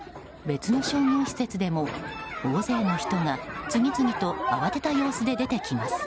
別の商業施設でも、大勢の人が次々と慌てた様子で出てきます。